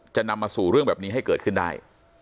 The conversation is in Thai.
จะนำมาสู่เรื่องแบบนี้ให้เกิดขึ้นได้